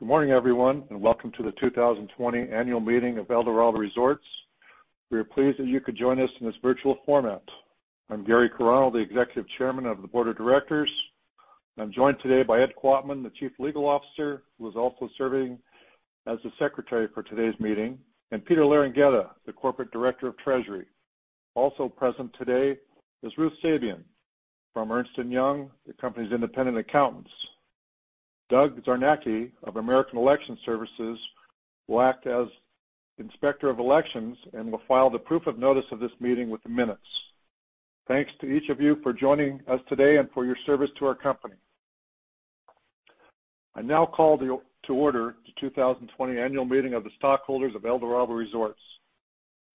Good morning, everyone. Welcome to the 2020 annual meeting of Eldorado Resorts. We are pleased that you could join us in this virtual format. I'm Gary Carano, the Executive Chairman of the Board of Directors. I'm joined today by Ed Quatmann, the Chief Legal Officer, who is also serving as the secretary for today's meeting, and Peter Laringetta, the Corporate Director of Treasury. Also present today is Ruth Sabian from Ernst & Young, the company's independent accountants. Doug Zarnacki of American Election Services will act as Inspector of Elections and will file the proof of notice of this meeting with the minutes. Thanks to each of you for joining us today and for your service to our company. I now call to order the 2020 annual meeting of the stockholders of Eldorado Resorts.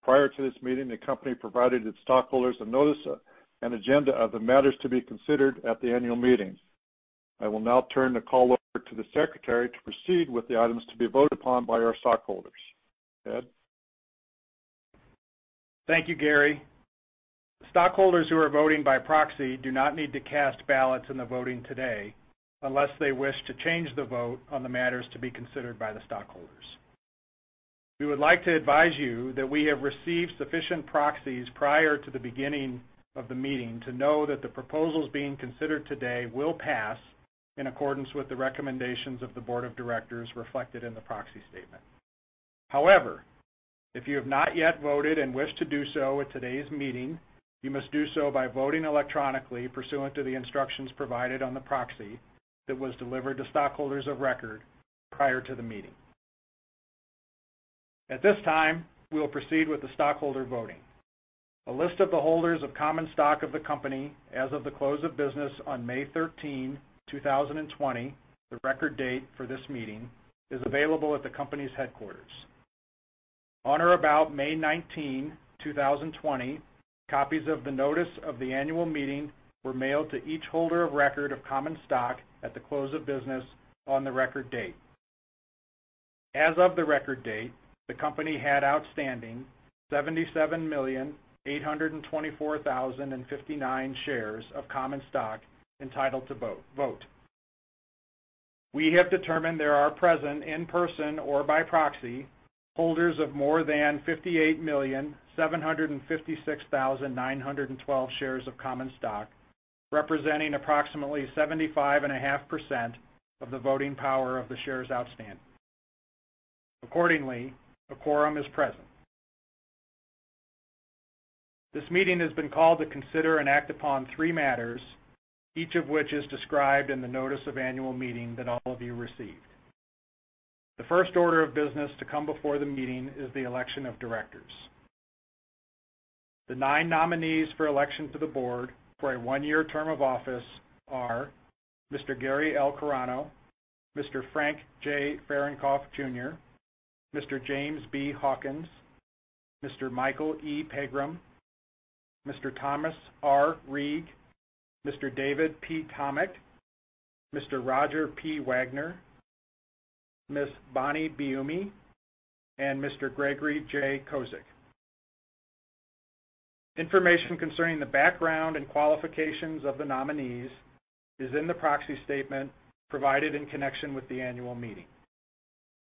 Prior to this meeting, the company provided its stockholders a notice, an agenda of the matters to be considered at the annual meeting. I will now turn the call over to the secretary to proceed with the items to be voted upon by our stockholders. Ed? Thank you, Gary. Stockholders who are voting by proxy do not need to cast ballots in the voting today unless they wish to change the vote on the matters to be considered by the stockholders. We would like to advise you that we have received sufficient proxies prior to the beginning of the meeting to know that the proposals being considered today will pass in accordance with the recommendations of the board of directors reflected in the proxy statement. However, if you have not yet voted and wish to do so at today's meeting, you must do so by voting electronically pursuant to the instructions provided on the proxy that was delivered to stockholders of record prior to the meeting. At this time, we will proceed with the stockholder voting. A list of the holders of common stock of the company as of the close of business on May 13, 2020, the record date for this meeting, is available at the company's headquarters. On or about May 19, 2020, copies of the notice of the annual meeting were mailed to each holder of record of common stock at the close of business on the record date. As of the record date, the company had outstanding 77,824,059 shares of common stock entitled to vote. We have determined there are present in person or by proxy holders of more than 58,756,912 shares of common stock, representing approximately 75.5% of the voting power of the shares outstanding. Accordingly, a quorum is present. This meeting has been called to consider and act upon three matters, each of which is described in the notice of annual meeting that all of you received. The first order of business to come before the meeting is the election of directors. The nine nominees for election to the board for a one-year term of office are Mr. Gary L. Carano, Mr. Frank J. Fahrenkopf Jr., Mr. James B. Hawkins, Mr. Michael E. Pegram, Mr. Thomas R. Reeg, Mr. David P. Tomick, Mr. Roger P. Wagner, Ms. Bonnie Biumi, and Mr. Gregory J. Kozicz. Information concerning the background and qualifications of the nominees is in the proxy statement provided in connection with the annual meeting.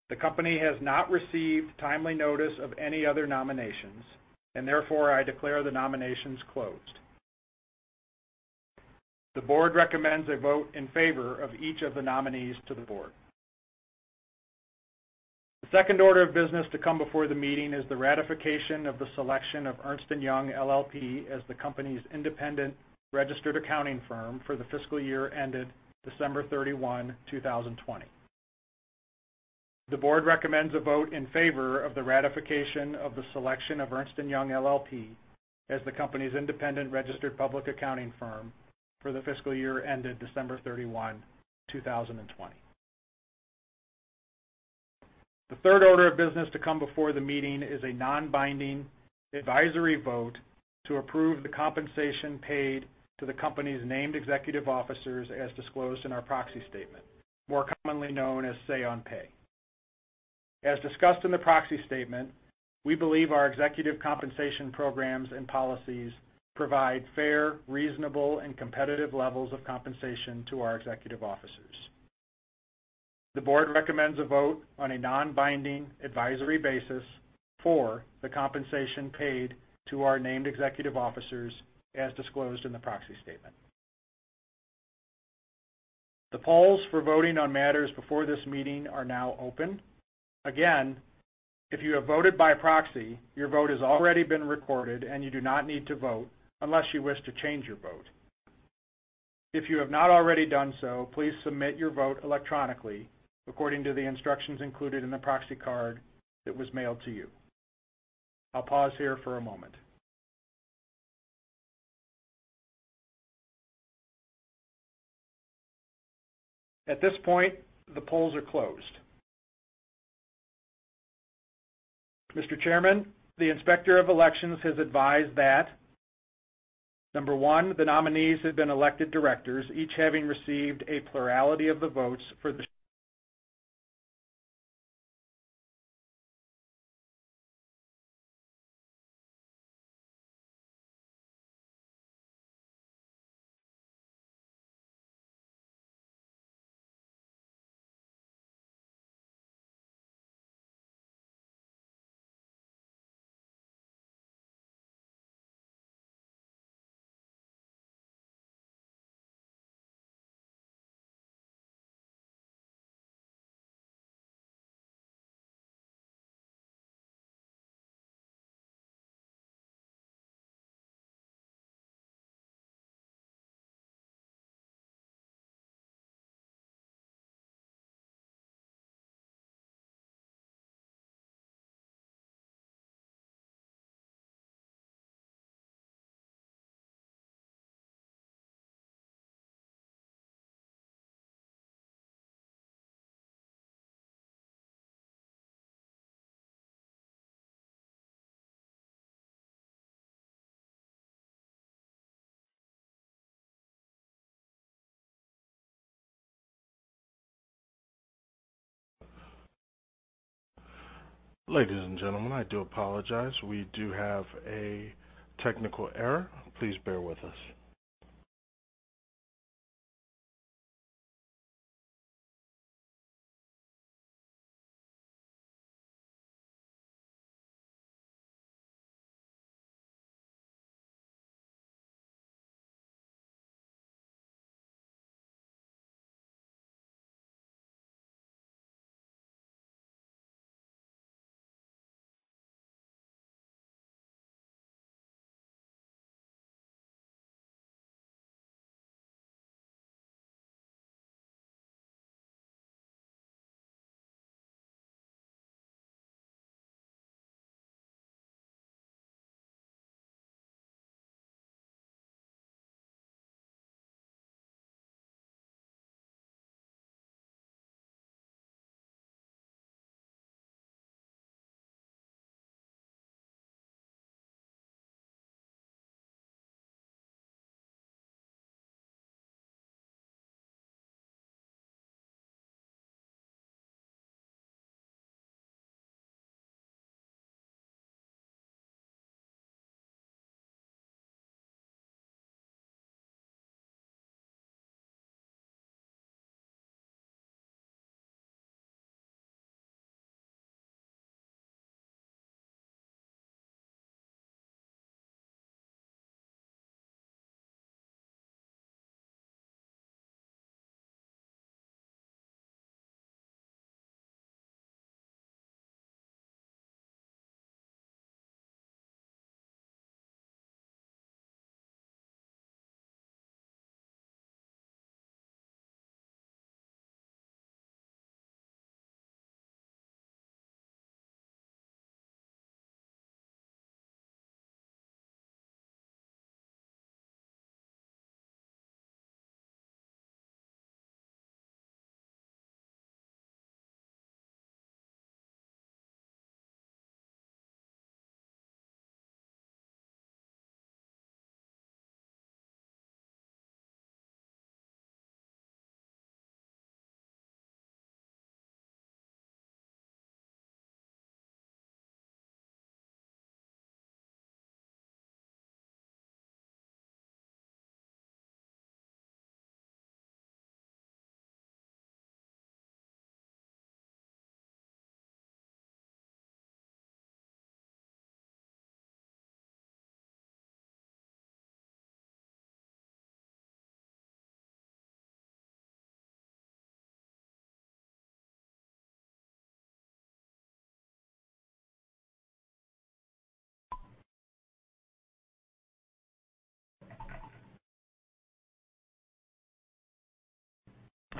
The company has not received timely notice of any other nominations, therefore, I declare the nominations closed. The board recommends a vote in favor of each of the nominees to the board. The second order of business to come before the meeting is the ratification of the selection of Ernst & Young LLP as the company's independent registered accounting firm for the fiscal year ended December 31, 2020. The board recommends a vote in favor of the ratification of the selection of Ernst & Young LLP as the company's independent registered public accounting firm for the fiscal year ended December 31, 2020. The third order of business to come before the meeting is a non-binding advisory vote to approve the compensation paid to the company's named executive officers as disclosed in our proxy statement, more commonly known as say on pay. As discussed in the proxy statement, we believe our executive compensation programs and policies provide fair, reasonable, and competitive levels of compensation to our executive officers. The board recommends a vote on a non-binding advisory basis for the compensation paid to our named executive officers as disclosed in the proxy statement. The polls for voting on matters before this meeting are now open. Again, if you have voted by proxy, your vote has already been recorded, and you do not need to vote unless you wish to change your vote. If you have not already done so, please submit your vote electronically according to the instructions included in the proxy card that was mailed to you. I'll pause here for a moment. At this point, the polls are closed. Mr. Chairman, the Inspector of Elections has advised that number 1, the nominees have been elected directors, each having received a plurality of the votes for the Ladies and gentlemen, I do apologize. We do have a technical error. Please bear with us.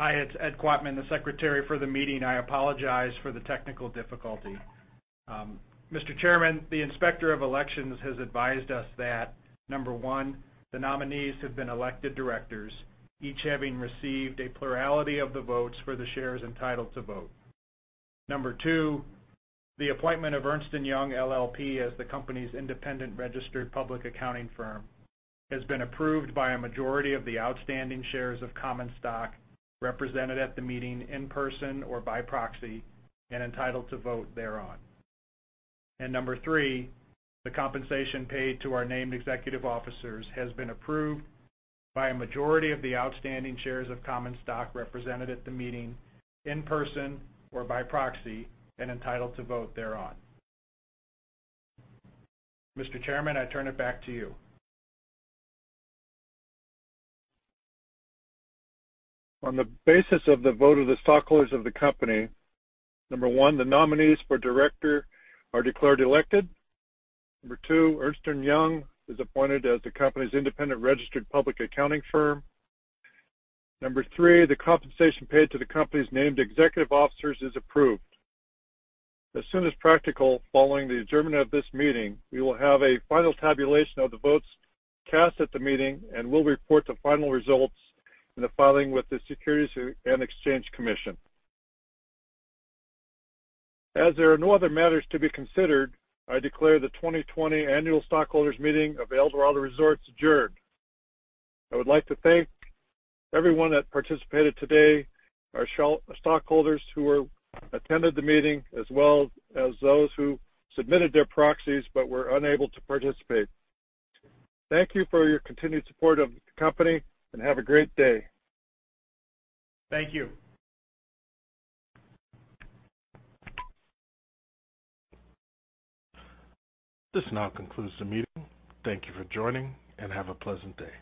Hi, it's Ed Quatmann, the secretary for the meeting. I apologize for the technical difficulty. Mr. Chairman, the Inspector of Elections has advised us that, number 1, the nominees have been elected directors, each having received a plurality of the votes for the shares entitled to vote. Number 2, the appointment of Ernst & Young LLP as the company's independent registered public accounting firm has been approved by a majority of the outstanding shares of common stock represented at the meeting in person or by proxy and entitled to vote thereon. Number 3, the compensation paid to our named executive officers has been approved by a majority of the outstanding shares of common stock represented at the meeting in person or by proxy and entitled to vote thereon. Mr. Chairman, I turn it back to you. On the basis of the vote of the stockholders of the company, number one, the nominees for director are declared elected. Number two, Ernst & Young is appointed as the company's independent registered public accounting firm. Number three, the compensation paid to the company's named executive officers is approved. As soon as practical, following the adjournment of this meeting, we will have a final tabulation of the votes cast at the meeting and will report the final results in the filing with the Securities and Exchange Commission. As there are no other matters to be considered, I declare the 2020 annual stockholders meeting of Eldorado Resorts adjourned. I would like to thank everyone that participated today, our stockholders who attended the meeting, as well as those who submitted their proxies but were unable to participate. Thank you for your continued support of the company, and have a great day. Thank you. This now concludes the meeting. Thank you for joining, and have a pleasant day.